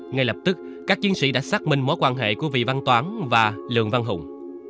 ngay lập tức các chiến sĩ đã xác minh mối quan hệ của vị văn toán và lường văn hùng